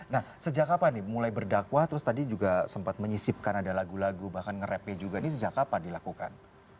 nah sejak kapan nih mulai berdakwah terus tadi juga sempat menyisipkan ada lagu lagu bahkan ngerepnya juga ini sejak kapan dilakukan